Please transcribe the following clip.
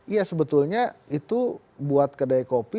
ya sebetulnya itu buat kedai kopi